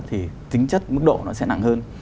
thì tính chất mức độ nó sẽ nặng hơn